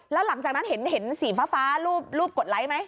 แล้วหลังจากนั้นเห็นสีฟ้ารูปกดไลค์ไหม